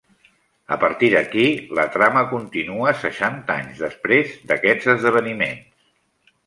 A partir d'aquí la trama continua seixanta anys després d'aquests esdeveniments.